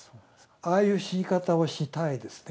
ああいう死に方をしたいですね